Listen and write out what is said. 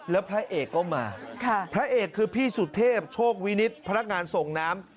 แล้วพระเอกก็มาพระเอกคือพี่สุเทพโชควินิตพนักงานส่งน้ำ